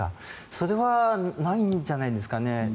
それはないんじゃないんですかね。